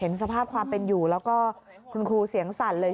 สภาพความเป็นอยู่แล้วก็คุณครูเสียงสั่นเลย